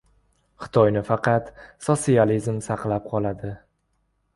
"Xitoyni faqat sosializm saqlab qoladi"